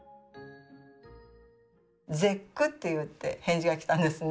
絶句って言って返事が来たんですね。